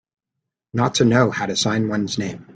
Not to know how to sign one's name.